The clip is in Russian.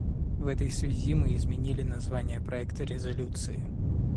В этой связи мы изменили название проекта резолюции.